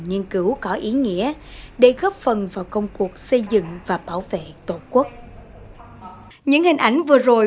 nghiên cứu có ý nghĩa để góp phần vào công cuộc xây dựng và bảo vệ tổ quốc những hình ảnh vừa rồi